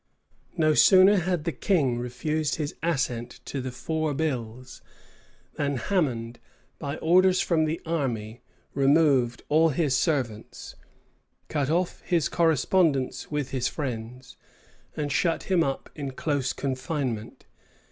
No sooner had the king refused his assent to the four bills, than Hammond, by orders from the army, removed all his servants, cut off his correspondence with his friends, and shut him up in close confinement.